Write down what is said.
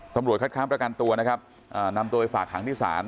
ตำรวจคัดค้างประกันตัวนะครับนำตัวไปฝากหางที่ศาล